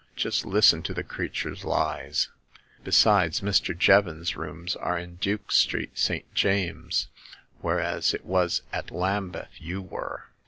Just listen to the creature's lies ! Besides, Mr. Jevons's rooms are in Duke Street, St. James's, whereas it was at Lambeth you were."